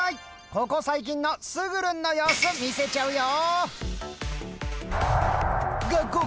ここ最近のスグルンの様子見せちゃうよ！